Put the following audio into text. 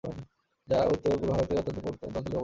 যা উত্তর-পূর্ব ভারতের প্রত্যন্ত অঞ্চলে অবস্থিত।